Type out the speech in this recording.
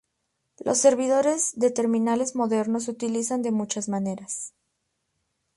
Los servidores de terminales modernos se utilizan de muchas maneras.